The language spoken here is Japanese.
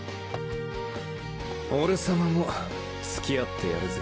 俺様もつきあってやるぜ。